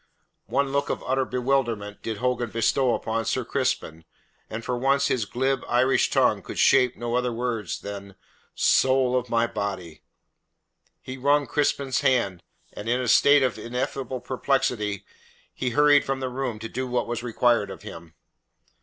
One look of utter bewilderment did Hogan bestow upon Sir Crispin, and for once his glib, Irish tongue could shape no other words than: "Soul of my body!" He wrung Crispin's hand, and in a state of ineffable perplexity he hurried from the room to do what was required of him.